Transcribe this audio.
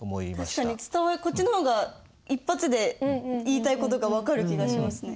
確かにこっちの方が一発で言いたい事が分かる気がしますね。